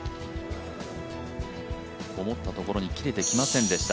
思ったところに切れてきませんでした。